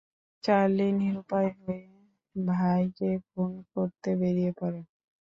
Charlie নিরুপায় হয়ে ভাই কে খুন করতে বেড়িয়ে পড়ে।